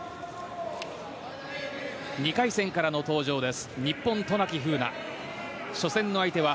２回戦からの登場です。